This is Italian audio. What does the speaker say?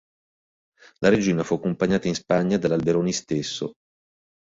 La regina fu accompagnata in Spagna dall'Alberoni stesso.